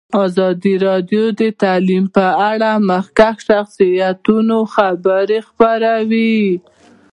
ازادي راډیو د تعلیم په اړه د مخکښو شخصیتونو خبرې خپرې کړي.